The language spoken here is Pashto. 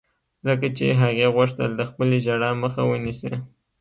لکه چې هغې غوښتل د خپلې ژړا مخه ونيسي.